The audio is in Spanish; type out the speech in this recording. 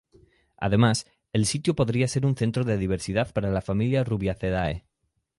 Además, el sitio podría ser un centro de diversidad para la familia "Rubiaceae".